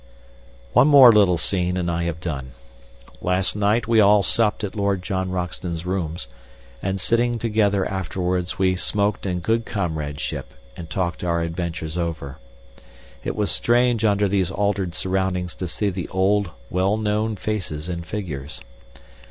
One more little scene, and I have done. Last night we all supped at Lord John Roxton's rooms, and sitting together afterwards we smoked in good comradeship and talked our adventures over. It was strange under these altered surroundings to see the old, well known faces and figures.